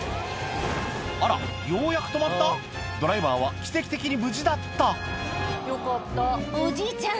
あらようやく止まったドライバーは奇跡的に無事だったおじいちゃん